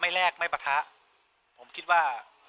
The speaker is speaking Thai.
ไม่แลกไม่ปะทะ